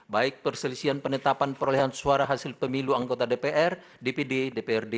baik perselisian penetapan perolehan suara hasil pemilu anggota dpr dpd dprd